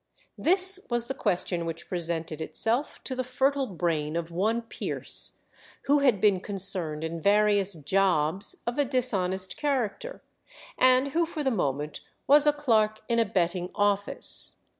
This was the question which presented itself to the fertile brain of one Pierce, who had been concerned in various "jobs" of a dishonest character, and who for the moment was a clerk in a betting office.